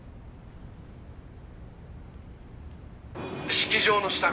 「式場の下見」